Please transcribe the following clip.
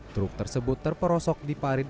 truk tersebut terperosok di parit